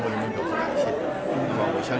banyak orang juga menyatakan terima kasih kepada tiongkok